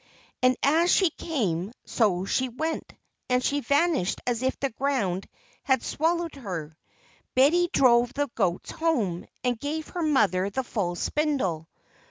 _" And as she came, so she went, and she vanished as if the ground had swallowed her. Betty drove the goats home, and gave her mother the full spindle.